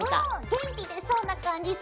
元気出そうな感じする！